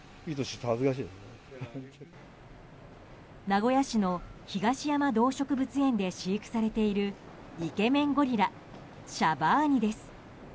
名古屋市の東山動植物園で飼育されているイケメンゴリラシャバーニです。